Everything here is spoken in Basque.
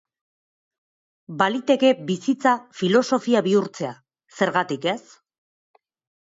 Baliteke bizitza filosofia bihurtzea, zergatik ez?